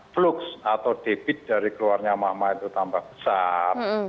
flux atau debit dari keluarnya mama itu tambah besar